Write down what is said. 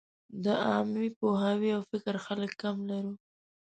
د عامې پوهې او فکر خلک کم لرو.